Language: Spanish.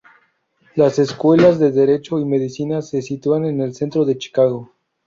Las escuelas de derecho y medicina se sitúan en el centro de Chicago.